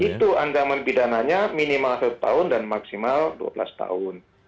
itu ancaman pidananya minimal satu tahun dan maksimal dua belas tahun